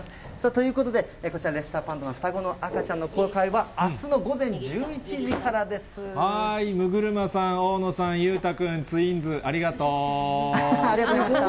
ということで、こちらのレッサーパンダの双子の赤ちゃんの公開はあすの午前１１六車さん、大野さん、裕太君、ありがとうございました。